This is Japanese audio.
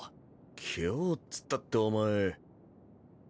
今日っつったってお前。